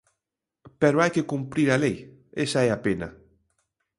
Pero hai que cumprir a lei, esa é a pena.